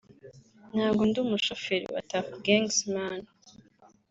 ntago ndi umushoferi wa Tuff Gangs man